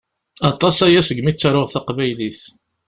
Aṭas aya segmi ttaruɣ taqbaylit.